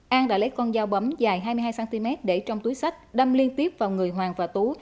an đã lấy con dao bấm dài hai mươi hai cm để trong túi sách đâm liên tiếp vào người hoàng và tú